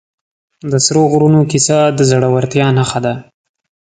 د سرو غرونو کیسه د زړورتیا نښه ده.